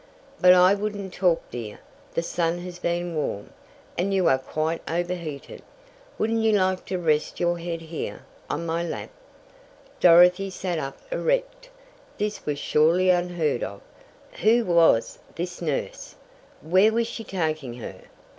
"But I wouldn't talk dear the sun has been warm, and you are quite overheated. Wouldn't you like to rest your head here, on my lap?" Dorothy sat up erect. This was surely unheard of. Who was this nurse? Where was she taking her?